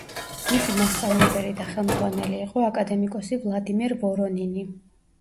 მისი მასწავლებელი და ხელმძღვანელი იყო აკადემიკოსი ვლადიმერ ვორონინი.